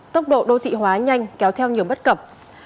tốc độ đô thị hóa nhanh kéo theo nhiều bất cập